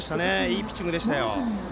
いいピッチングでした。